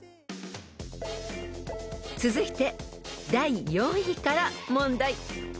［続いて第４位から問題］